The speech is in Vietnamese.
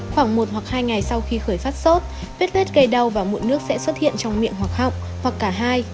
khoảng một hoặc hai ngày sau khi khởi phát sốt vết lết cây đau và mụn nước sẽ xuất hiện trong miệng hoặc họng hoặc cả hai